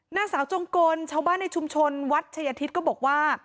นางสาวจงกลชาวบ้านในชุมชนวัดชายทิศก็บอกว่า